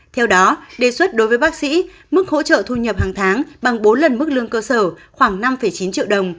theo đó đề xuất đối với bác sĩ mức hỗ trợ thu nhập hàng tháng bằng bốn lần mức lương cơ sở khoảng năm chín triệu đồng